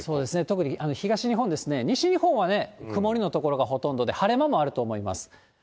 特に東日本ですね、西日本は曇りの所がほとんどで、晴れ間もあると思います。